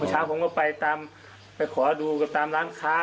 เช้าผมก็ไปตามไปขอดูกันตามร้านค้า